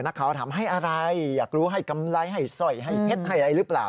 นักข่าวถามให้อะไรอยากรู้ให้กำไรให้สร้อยให้เพชรให้อะไรหรือเปล่า